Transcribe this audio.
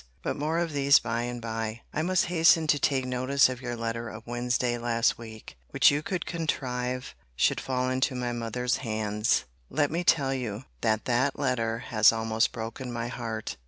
But more of these by and by. I must hasten to take notice of your letter of Wednesday last week; which you could contrive should fall into my mother's hands. Let me tell you, that that letter has almost broken my heart.